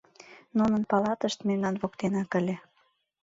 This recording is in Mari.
Нунын палатышт мемнан воктенак ыле.